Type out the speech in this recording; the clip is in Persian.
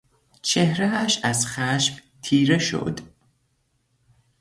چهرهاش از خشم تیره شد.